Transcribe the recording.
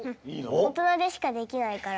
おとなでしかできないから。